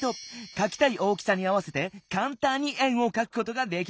かきたい大きさに合わせてかんたんに円をかくことができるんだ。